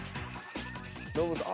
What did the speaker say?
ノブさん